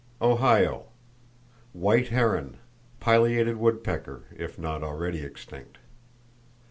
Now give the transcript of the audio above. Ohio: White heron, pileated woodpecker (if not already extinct).